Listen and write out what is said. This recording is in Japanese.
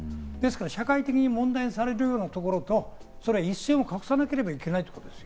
社会的に問題になるようなところと一線を画さなければいけない。